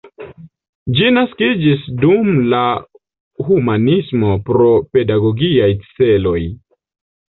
Ĝi naskiĝis dum la humanismo pro pedagogiaj celoj.